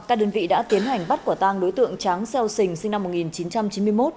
các đơn vị đã tiến hành bắt quả tang đối tượng tráng xeo sình sinh năm một nghìn chín trăm chín mươi một